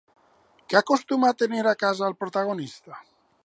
Què acostuma a tenir a casa el protagonista?